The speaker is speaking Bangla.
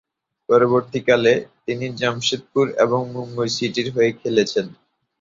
পরবর্তীকালে, তিনি জামশেদপুর এবং মুম্বই সিটির হয়ে খেলেছেন।